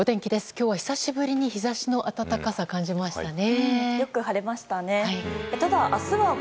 今日は久しぶりに日差しの暖かさを感じましたね。